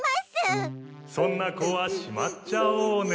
そんな子はしまっちゃおうね。